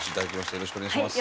よろしくお願いします。